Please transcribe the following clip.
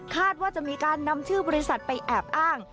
ว่าจะมีการนำชื่อบริษัทไปแอบอ้าง